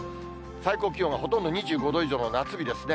最高気温はほとんど２５度以上の夏日ですね。